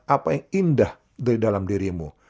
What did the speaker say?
apa yang indah dari dalam dirimu